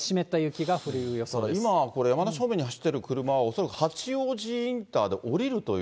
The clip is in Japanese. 今はこれ、山梨方面に走ってる車は恐らく八王子インターで降りるという。